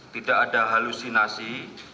tidak ada halusinasi